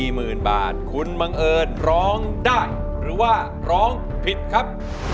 หมื่นบาทคุณบังเอิญร้องได้หรือว่าร้องผิดครับ